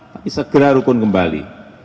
tapi segera rukun kembali